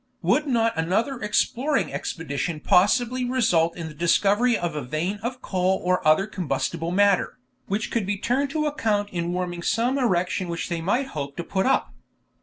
Would not another exploring expedition possibly result in the discovery of a vein of coal or other combustible matter, which could be turned to account in warming some erection which they might hope to put up?